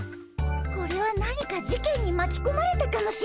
これは何か事件にまきこまれたかもしれないねえ。